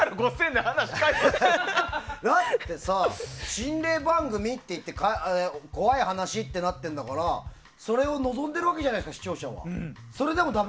だってさ心霊番組っていって怖い話ってなってるんだから臨んでいるわけじゃないですか視聴者は。